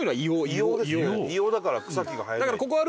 硫黄だから草木が生えない。